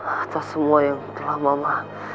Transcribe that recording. atas semua yang telah mama